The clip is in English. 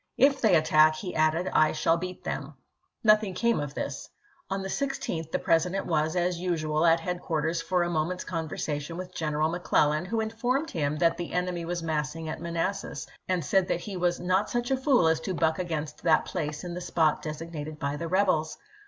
" If they attack," he added, " I shall beat them." Nothing came of this. iwci. On the 16th the President was, as usual, at head quarters for a moment's conversation with General McClellan, who informed him that the enemy was massing at Manassas, and said that he was "not such a fool as to buck against that place in the spot designated by the rebels."